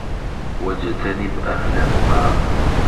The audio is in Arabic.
وَاجْتَنِبْ أَهْلَهُمَا